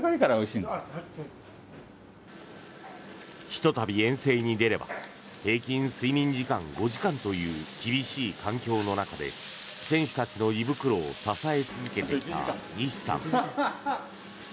ひとたび遠征に出れば平均睡眠時間５時間という厳しい環境の中で選手たちの胃袋を支え続けてきた西さん。